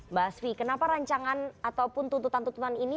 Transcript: mbak asfi kenapa rancangan ataupun tuntutan tuntutan ini